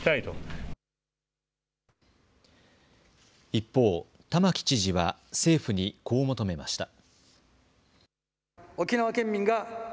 一方玉城知事は政府にこう求めました。